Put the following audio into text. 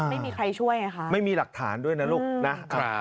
ไม่มีใครช่วยไงคะไม่มีหลักฐานด้วยนะลูกนะ